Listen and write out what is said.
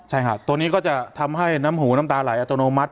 ใช่ครับตัวนี้ก็จะทำให้น้ำหูน้ำตาไหลอัตโนมัติ